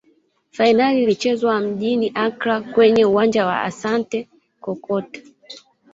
fainali ilichezwa mjini accra kwenye uwanja wa asante kotoko